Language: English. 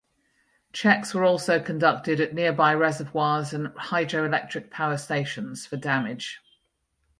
Checks were also conducted at nearby reservoirs and hydroelectric power stations for damage.